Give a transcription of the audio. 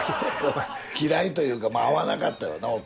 嫌いというか合わなかった。